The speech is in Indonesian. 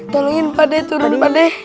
tolongin pak deh turun pak deh